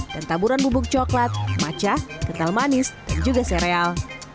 dan taburan bubuk coklat maca kental manis dan juga sereal